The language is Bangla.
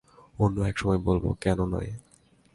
অন্য এক সময় বলব, কেন নয়।